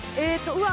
うわ。